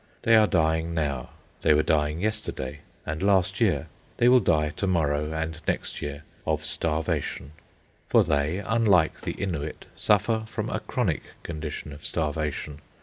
They are dying now, they were dying yesterday and last year, they will die to morrow and next year, of starvation; for they, unlike the Innuit, suffer from a chronic condition of starvation.